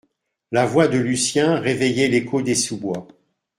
La voix de Lucien réveillait l’écho des sous-bois.